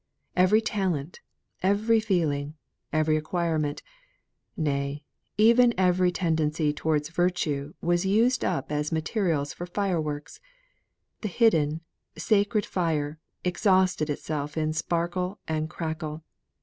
Every talent, every feeling, every acquirement; nay, even every tendency towards virtue, was used up as materials for fireworks; the hidden, sacred fire, exhausted itself in sparkle and crackle.